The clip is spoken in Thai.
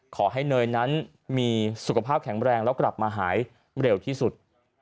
เนยนั้นมีสุขภาพแข็งแรงแล้วกลับมาหายเร็วที่สุด